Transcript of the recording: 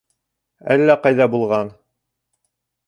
Әллә ҡайҙа булған!